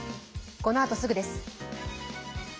このあとすぐです。